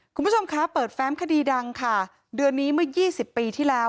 คุณผู้ชมคะเปิดแฟ้มคดีดังค่ะเดือนนี้เมื่อ๒๐ปีที่แล้ว